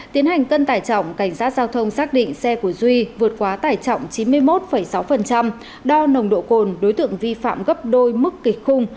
tiến hành cân tải trọng cảnh sát giao thông xác định xe của duy vượt quá tải trọng chín mươi một sáu đo nồng độ cồn đối tượng vi phạm gấp đôi mức kịch khung